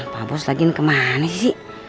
pak bos lagi ini kemana sih